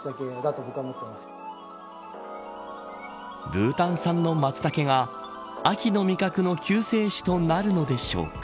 ブータン産のマツタケが秋の味覚の救世主となるのでしょうか。